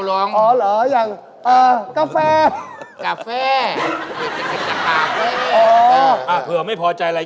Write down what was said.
๑๑โมงยังนั่งเศร้าอยู่เลยพี่